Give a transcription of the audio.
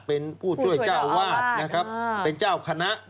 เป็นผู้ช่วยเจ้าอาวาสนะครับเป็นเจ้าคณะ